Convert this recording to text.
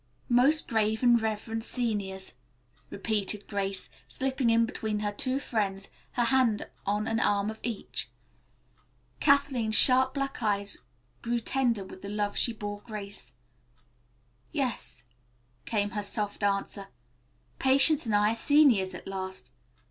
"'Most grave and reverend seniors,'" repeated Grace, slipping in between her two friends, her hand on an arm of each. Kathleen's sharp black eyes grew tender with the love she bore Grace. "Yes," came her soft answer, "Patience and I are seniors at last.